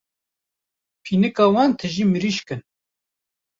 Pînika wan tije mirîşk in.